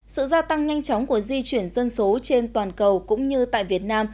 sự gia tăng nhanh chóng của di chuyển dân số trên toàn cầu cũng như tại việt nam